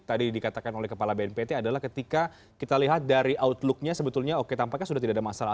tadi dikatakan oleh kepala bnpt adalah ketika kita lihat dari outlooknya sebetulnya oke tampaknya sudah tidak ada masalah